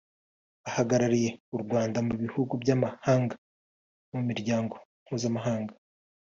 Abahagarariye u Rwanda mu bihugu by’amahanga no mu miryango mpuzamahanga